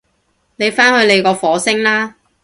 你返去你個火星啦